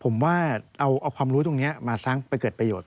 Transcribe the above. ผมว่าเอาความรู้ตรงนี้มาสร้างไปเกิดประโยชน